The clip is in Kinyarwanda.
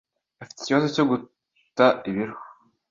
Afite ikibazo cyo guta ibiro.